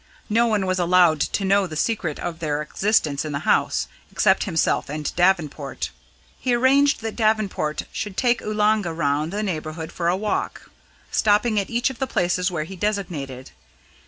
No one was allowed to know the secret of their existence in the house, except himself and Davenport. He arranged that Davenport should take Oolanga round the neighbourhood for a walk, stopping at each of the places which he designated.